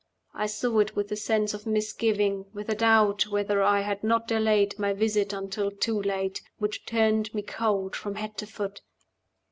I saw it with a sense of misgiving, with a doubt whether I had not delayed my visit until too late, which turned me cold from head to foot.